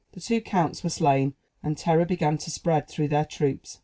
The two counts were slain, and terror began to spread through their troops.